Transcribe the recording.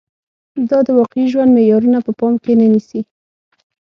دا د واقعي ژوند معيارونه په پام کې نه نیسي